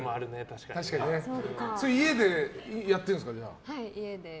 家でやってるんですか。